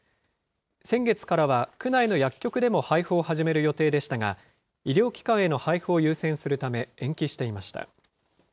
先月からは、区内の薬局でも配布を始める予定でしたが、医療機関への配布を優先するため、延期していました。